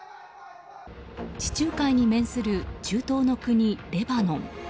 地中海に面する中東の国レバノン。